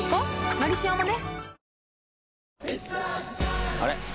「のりしお」もね